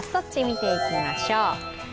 見ていきましょう。